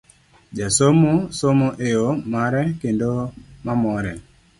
Jasomo somo e yo mare kendo ma more.